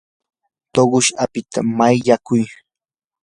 tuqush apita makyaykuy.